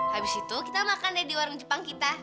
habis itu kita makan deh di warung jepang kita